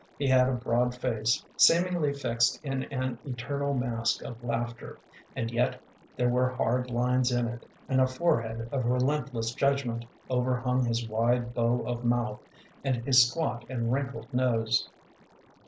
He had a broad face, seemingly fixed in an eternal mask of laughter, and yet there were hard lines in it, and a forehead of relentless judgment overhung his wide bow of mouth and his squat and wrinkled nose.